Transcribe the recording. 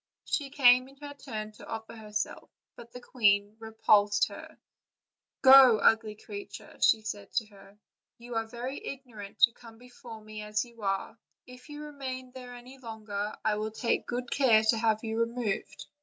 She came in her turn to offer herself, but the queen repulsed her: "Go, ugly creature," said she to her; "you are very ignorant to come before me as you are; if you remain there any longer I will take good care to have you re moved."